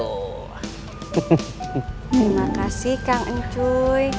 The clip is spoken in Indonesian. terima kasih kang ncuy